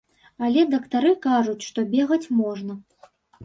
Але дактары кажуць, што бегаць можна.